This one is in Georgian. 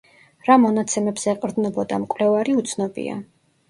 რა მონაცემებს ეყრდნობოდა მკვლევარი უცნობია.